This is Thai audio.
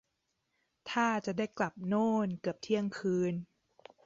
ท่าจะได้กลับโน่นเกือบเที่ยงคืน